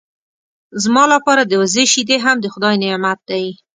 زما لپاره د وزې شیدې هم د خدای نعمت دی.